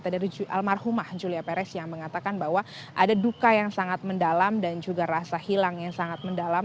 dari almarhumah julia perez yang mengatakan bahwa ada duka yang sangat mendalam dan juga rasa hilang yang sangat mendalam